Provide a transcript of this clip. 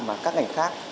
mà các ngành khác